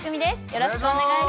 よろしくお願いします。